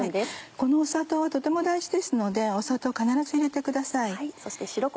この砂糖はとても大事ですので砂糖を必ず入れてください。